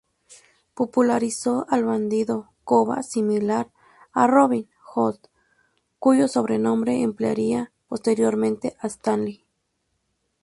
Popularizó al bandido "Koba", similar a Robin Hood, cuyo sobrenombre emplearía posteriormente Stalin.